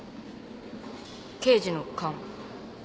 刑事の勘。